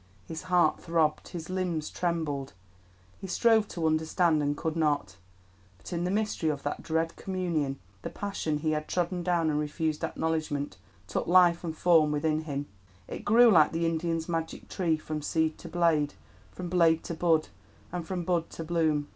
His heart throbbed, his limbs trembled, he strove to understand and could not. But in the mystery of that dread communion, the passion he had trodden down and refused acknowledgment took life and form within him; it grew like the Indian's magic tree, from seed to blade, from blade to bud, and from bud to bloom.